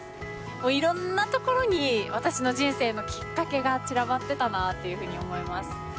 いろんな所に私の人生のきっかけが散らばってたなっていうふうに思います。